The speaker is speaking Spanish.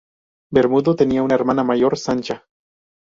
Bermudo tenía una hermana mayor, Sancha.